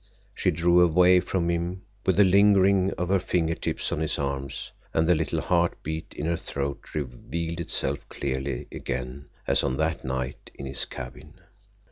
She drew away from him, with a lingering of her finger tips on his arm, and the little heart beat in her throat revealed itself clearly again as on that night in his cabin.